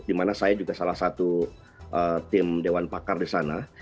dimana saya juga salah satu tim dewan pakar di sana